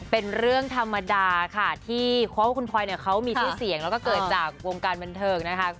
เป็นเรื่องธรรมดาค่ะที่ความว่าคุณพอยมีที่เสียงแล้วก็เกิดจากวงการบรรเทิงนะคะ